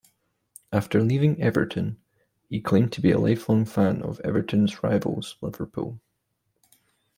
After leaving Everton, he claimed to be a lifelong fan of Everton's rivals Liverpool.